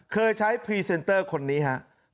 เคยใช้พรีเซนเตอร์คนนี้ครับ